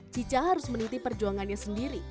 cica harus menitip perjuangannya sendiri